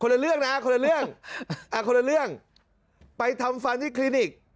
ละเรื่องนะคนละเรื่องอ่ะคนละเรื่องไปทำฟันที่คลินิก